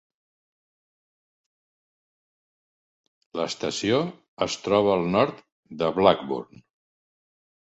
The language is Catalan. L'estació es troba al nord de Blackburn.